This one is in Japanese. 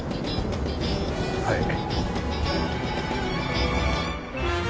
はい。